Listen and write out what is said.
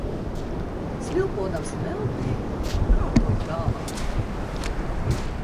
Svilpodams meldiju, kātoju tālāk.